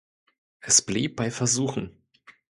Es blieb bei Versuchen.